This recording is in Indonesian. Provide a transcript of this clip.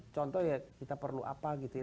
contohnya kita perlu apa gitu ya